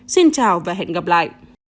xin chào và hẹn gặp lại